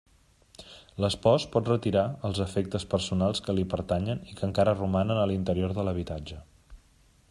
L'espòs pot retirar els efectes personals que li pertanyen i que encara romanen a l'interior de l'habitatge.